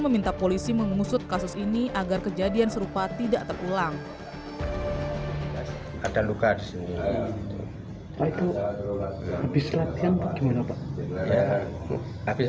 meminta polisi mengusut kasus ini agar kejadian serupa tidak terulang ada luka disini itu habis